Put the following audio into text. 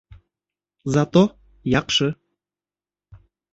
Зато яҡшы...